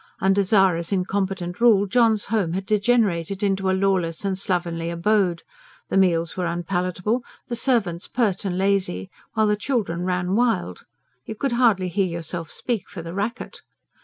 Under Zara's incompetent rule John's home had degenerated into a lawless and slovenly abode: the meals were unpalatable, the servants pert and lazy, while the children ran wild you could hardly hear yourself speak for the racket.